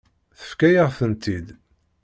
Tefka-yaɣ-tent-id.